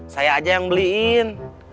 saya aja yang beliin